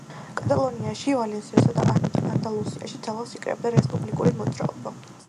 კატალონიაში, ვალენსიასა და ანდალუსიაში ძალას იკრებდა რესპუბლიკური მოძრაობა.